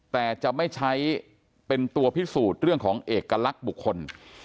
แต่จะไม่ใช้เป็นตัวพิสูจน์เรื่องของเอกลักษณ์บุคคล